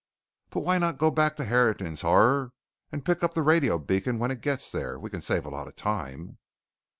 "But why not go back to Harrigan's Horror and pick up the radio beacon when it gets there? We can save a lot of time."